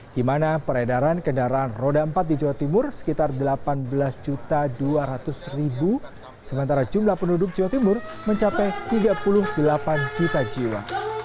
di mana peredaran kendaraan roda empat di jawa timur sekitar delapan belas dua ratus sementara jumlah penduduk jawa timur mencapai tiga puluh delapan juta jiwa